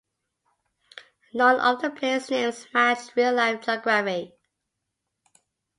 None of the place names match real-life geography.